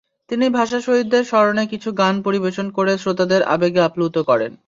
তিনি ভাষাশহীদদের স্মরণে কিছু গান পরিবেশন করে শ্রোতাদের আবেগে আল্পুত করেন।